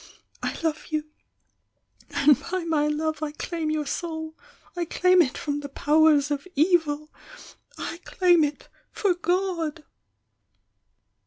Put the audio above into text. I love you, and by my love I claim your soul! I claim it from the powers of evil! — I claim it for God!"